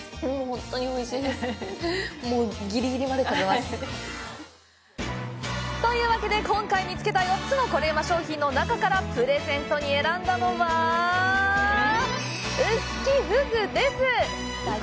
本当においしいです。というわけで、今回見つけた４つのコレうま商品の中からプレゼントに選んだのは臼杵ふぐです！